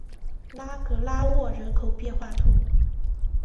拉格拉沃人口变化图示